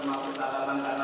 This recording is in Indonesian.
mas inger ya